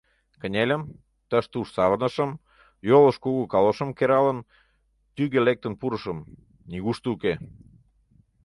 Кынельым, тыш-туш савырнышым, йолыш кугу калошым кералын, тӱгӧ лектын пурышым — нигушто уке.